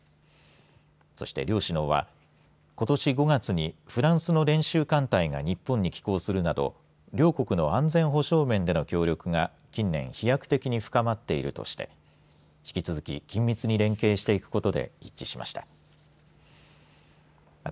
そして、両首脳はことし５月にフランスの練習艦隊が日本に寄港するなど両国の安全保障面での協力が近年飛躍的に深まっているとして引き続き緊密に連携していくことで一致しました。